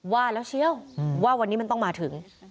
ว่าแล้วเชียวว่าวันนี้มันต้องมาถึง